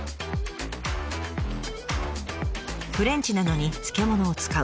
フレンチなのに漬物を使う。